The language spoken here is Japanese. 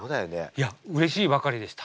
いやうれしいばかりでした。